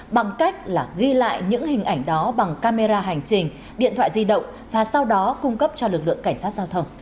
bằng cách là ghi lại những hình ảnh đó bằng camera hành trình điện thoại di động và sau đó cung cấp cho lực lượng cảnh sát giao thông